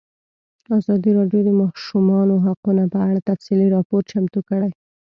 ازادي راډیو د د ماشومانو حقونه په اړه تفصیلي راپور چمتو کړی.